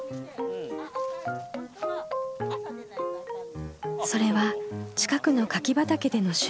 それは近くの柿畑での収穫。